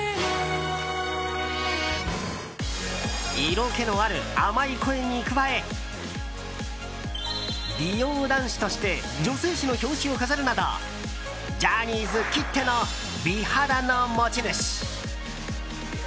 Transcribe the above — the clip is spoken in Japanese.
色気のある甘い声に加え美容男子として女性誌の表紙を飾るなどジャニーズきっての美肌の持ち主。